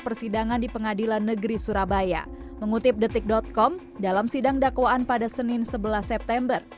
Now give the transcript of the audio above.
persidangan di pengadilan negeri surabaya mengutip detik com dalam sidang dakwaan pada senin sebelas september